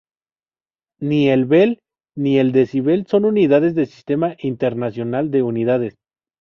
Ni el bel, ni el decibel son unidades del Sistema internacional de unidades.